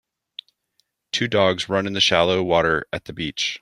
Two dogs run in the shallow water at the beach.